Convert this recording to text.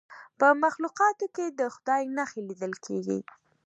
په مخلوقاتو کې د خدای نښې لیدل کیږي.